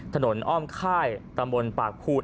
ถนนอ้อมค่ายตำรวจปากพูน